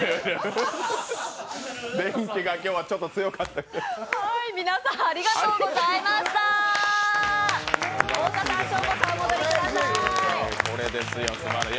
電気が今日はちょっと強かったみたい。